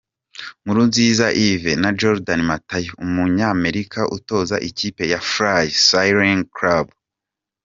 Nkurunziza Yves na Jordan Mathew umunya-Amerika utoza ikipe ya Fly Cycling Club.